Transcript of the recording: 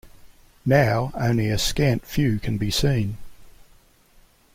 Now, only a scant few can be seen.